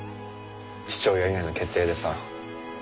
父親いないの決定でさ。